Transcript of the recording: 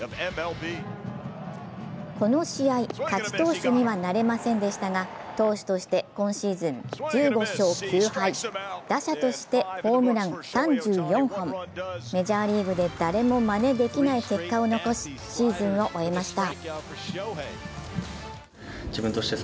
この試合、勝ち投手にはなれませんでしたが投手として今シーズン１５勝９敗、打者としてホームラン３４本、メジャーリーグで誰もまねできない結果を残しシーズンを終えました。